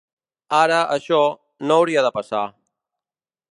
Ara, això, no hauria de passar.